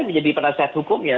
menjadi penasihat hukumnya